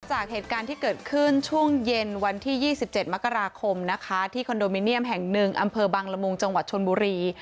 จากเหตุการณ์ที่เกิดขึ้นช่วงเย็นวันที่๒๗มกราคมนะคะที่คอนโดมิเนียมแห่งหนึ่งอำเภอบังละมุงจังหวัดชนบุรี